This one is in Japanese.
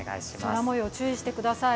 空もよう、注意してください。